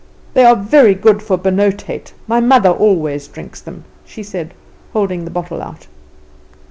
"They are very good for benauwdheid; my mother always drinks them," she said, holding the bottle out.